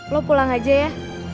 lo pulang aja ya